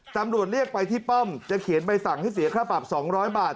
ตำรวจเรียกไปที่ป้อมจะเขียนใบสั่งให้เสียค่าปรับ๒๐๐บาท